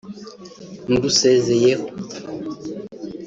ndusezeyeho